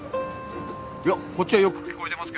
いやこっちはよく聞こえてますけどね。